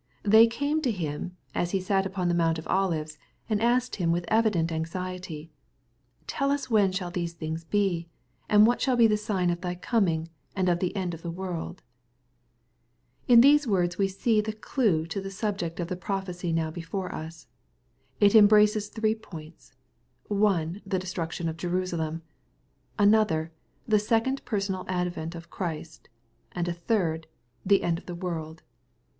They came to Him, as He sat upon the Mount of Olives, and asked Him with evident anxiety, " Tell us when shall these things be ? and what shall be the sign of thy coming, and of the end of the world ?''— In these words we see the clue to the subject of the prophecy now before us. It em braces three points — one, the destruction of Jerusalem, — another, the second personal advent of Christ ;— and a third, the end of the world.